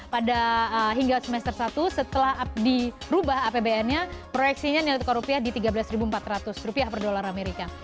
pada hingga semester satu setelah dirubah apbn nya proyeksinya nilai tukar rupiah di tiga belas empat ratus rupiah per dolar amerika